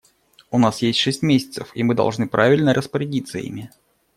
У нас есть шесть месяцев, и мы должны правильно распорядиться ими.